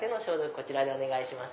こちらでお願いします。